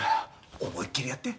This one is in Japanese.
思いっきりやって！